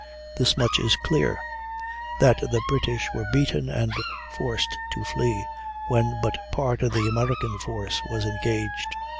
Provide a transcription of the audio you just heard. This much is clear, that the British were beaten and forced to flee, when but part of the American force was engaged.